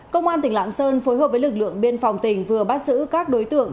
công an tỉnh lạng sơn phối hợp với lực lượng biên phòng tỉnh vừa bắt giữ các đối tượng